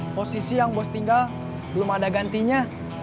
posisi yang bos tinggal belum ada gantinya